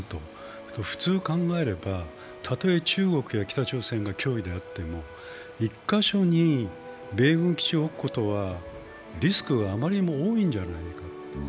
普通考えれば、たとえ中国や北朝鮮が脅威であっても１カ所に米軍基地を置くことはあまりにもリスクが多いんじゃないか。